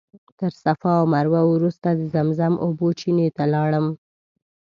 تر صفا او مروه وروسته د زمزم اوبو چینې ته لاړم.